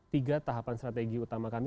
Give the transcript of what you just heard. tiga tahapan strategi utama kami